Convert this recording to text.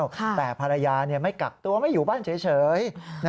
แต่ภรรยาไม่กักตัวไม่อยู่บ้านเฉย